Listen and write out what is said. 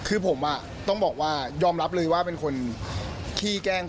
คือผมต้องบอกว่ายอมรับเลยว่าเป็นคนขี้แกล้ง